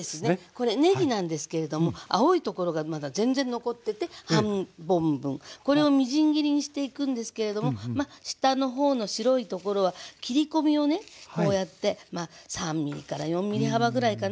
これねぎなんですけれども青いところがまだ全然残ってて半本分これをみじん切りにしていくんですけれども下のほうの白いところは切り込みをねこうやって３ｍｍから４ｍｍ幅ぐらいかな。